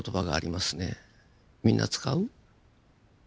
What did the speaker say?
みんな使う？